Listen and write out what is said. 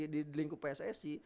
di lingkup pssi